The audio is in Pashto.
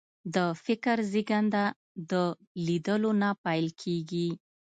د فکر زېږنده د لیدلو نه پیل کېږي